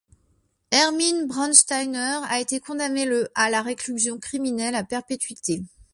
Hermine Braunsteiner a été condamnée le à la réclusion criminelle à perpétuité.